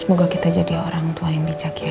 semoga kita jadi orang tua yang bijak ya